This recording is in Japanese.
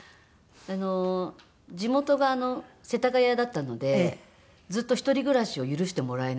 あの地元が世田谷だったのでずっと一人暮らしを許してもらえなく。